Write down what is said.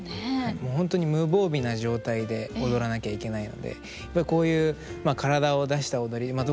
本当に無防備な状態で踊らなきゃいけないのでこういう体を出した踊りまあ